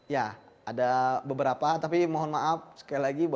ya ada beberapa tapi mohon maaf sekali lagi